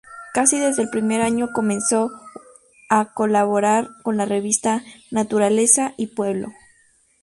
Casi desde el primer año comenzó a colaborar con la revista "Naturaleza y Pueblo".